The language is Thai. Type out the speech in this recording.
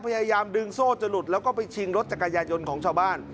พยายามดึงโซ่จะหลุดแล้วก็ไปชิงรถจักรยายนต์ของชาวบ้าน